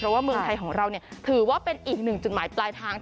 เพราะว่าเมืองไทยของเราถือว่าเป็นอีกหนึ่งจุดหมายปลายทาง